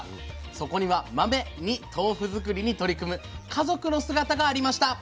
そこには「マメ」に豆腐作りに取り組む家族の姿がありました。